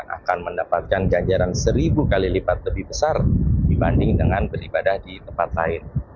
akan mendapatkan ganjaran seribu kali lipat lebih besar dibanding dengan beribadah di tempat lain